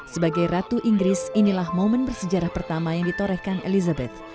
sebagai ratu inggris inilah momen bersejarah pertama yang ditorehkan elizabeth